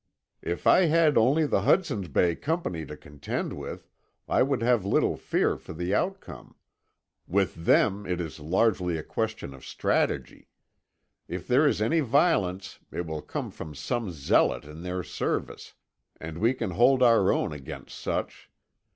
"If I had only the Hudson's Bay Company to contend with, I would have little fear for the outcome. With them it is largely a question of strategy. If there is any violence it will come from some zealot in their service, and we can hold our own against such.